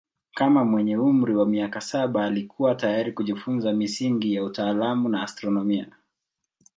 Kama mwenye umri wa miaka saba alikuwa tayari kujifunza misingi ya utaalamu wa astronomia.